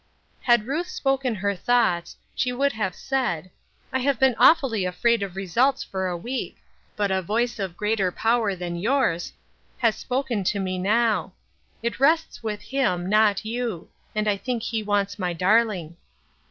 Had Ruth spoken her thoughts, she would have said :" I have been awfully afraid of results for a week; but a voice of greater power than yourjf i:i6 linth Erskines Crosses. has spoken to me now. It rests with Him, not you ; and I think he wants my darling."